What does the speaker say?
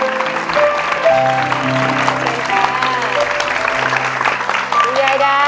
สวัสดีค่ะ